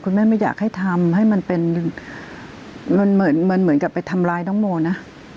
ไม่อยากให้ทำให้มันเป็นมันเหมือนเหมือนกับไปทำร้ายน้องโมนะ